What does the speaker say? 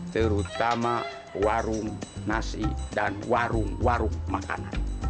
terutama warung nasi dan warung warung makanan